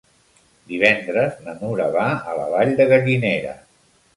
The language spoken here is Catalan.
Divendres na Nura va a la Vall de Gallinera.